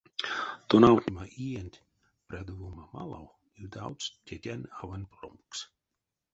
Тонавтнема иенть прядовома малав ютавтсть тетянь-авань, промкс.